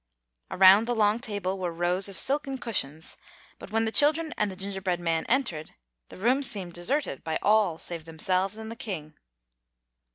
Around the long table were rows of silken cushions; but when the children and the gingerbread man entered, the room seemed deserted by all save themselves and the King.